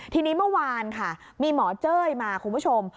ทีนี้เมื่อวานค่ะมีหมอเจ้ยมาคุณผู้ชม